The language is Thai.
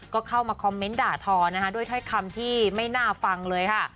ก็เข้ามาคอมเมนต์ด่าทอนะคะด้วยถ้อยคำที่ไม่น่าฟังเลยค่ะ